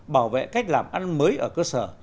bảo vệ cách làm ăn mới ở cơ sở